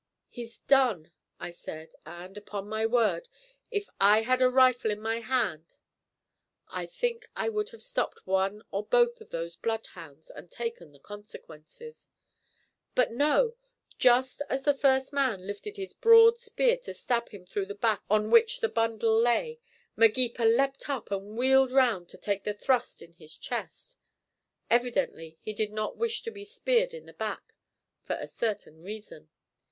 "He's done," I said, and, upon my word, if I had a rifle in my hand I think I would have stopped one or both of those bloodhounds and taken the consequences. But, no! Just as the first man lifted his broad spear to stab him through the back on which the bundle lay, Magepa leapt up and wheeled round to take the thrust in his chest. Evidently he did not wish to be speared in the back for a certain reason.